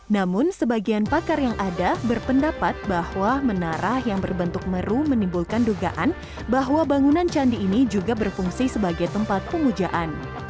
namun sebagian pakar yang ada berpendapat bahwa menara yang berbentuk meru menimbulkan dugaan bahwa bangunan candi ini juga berfungsi sebagai tempat pemujaan